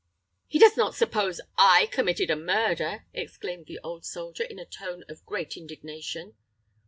"He does not suppose I committed a murder!" exclaimed the old soldier, in a tone of great indignation.